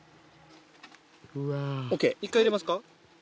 ・ＯＫ・１回入れますか？